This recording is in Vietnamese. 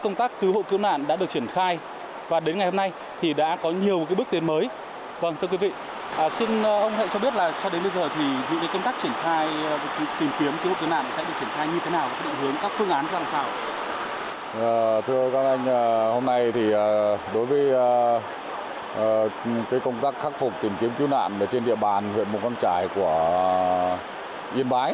các anh hôm nay thì đối với công tác khắc phục tìm kiếm cứu nạn trên địa bàn huyện mù căng trải của yên bái